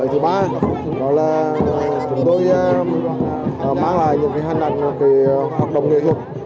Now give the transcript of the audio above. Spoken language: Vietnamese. thứ ba là chúng tôi mang lại những hành ảnh hoạt động nghệ thuật